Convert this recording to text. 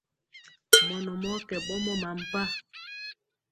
Mɔnɔ mɔɔ kɛ ɓɔmɔ mampa.